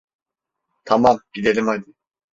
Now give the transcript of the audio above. Tamam, gidelim hadi.